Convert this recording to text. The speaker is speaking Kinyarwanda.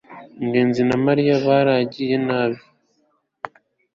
ngenzi na mariya baragiye nabi